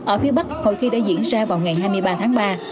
ở phía bắc hội thi đã diễn ra vào ngày hai mươi ba tháng ba